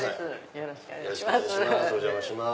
よろしくお願いします。